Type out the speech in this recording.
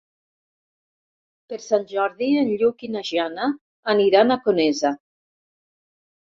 Per Sant Jordi en Lluc i na Jana aniran a Conesa.